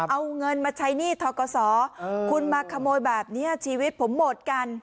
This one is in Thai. เอาเงินมาใช้หนี้ทกศคุณมาขโมยแบบนี้ชีวิตผมหมดกัน